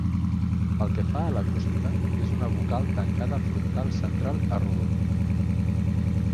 Pel que fa a l'acústica, és una "vocal tancada frontal central arrodonida".